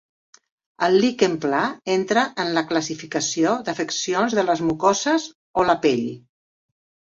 El liquen pla entra en la classificació d'afeccions de les mucoses o la pell.